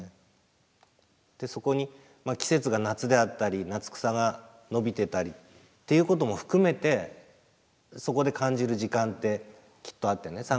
そこに季節が夏であったり夏草が伸びてたりっていうことも含めてそこで感じる時間ってきっとあってね。